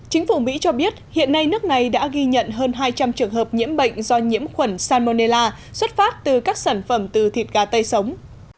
chính phủ mỹ cho biết hiện nay nước này đã ghi nhận hơn hai trăm linh trường hợp nhiễm bệnh do nhiễm khuẩn salmonella xuất phát từ các sản phẩm từ thịt gà tây sống